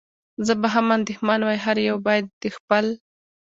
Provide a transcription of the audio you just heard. زه به هم اندېښمن وای، هر یو باید د خپل.